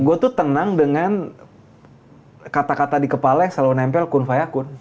gue tuh tenang dengan kata kata di kepala yang selalu nempel kun fayakun